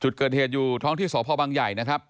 จุดเกิดเหตุอยู่ท้องที่สพบังใหญ่นะครับ